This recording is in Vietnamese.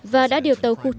và đã điều tàu khóa